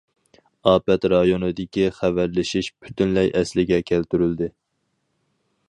ئاپەت رايونىدىكى خەۋەرلىشىش پۈتۈنلەي ئەسلىگە كەلتۈرۈلدى.